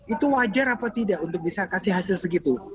itu wajar apa tidak untuk bisa kasih hasil segitu